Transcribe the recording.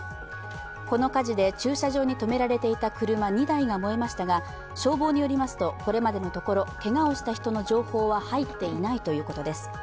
この火事で駐車場に止められていた車２台が燃えましたが消防によりますと、これまでのところけがをした人の情報は入っていないということです。